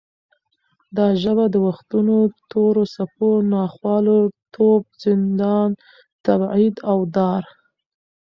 دا ژبه د وختونو تورو څپو، ناخوالو، توپ، زندان، تبعید او دار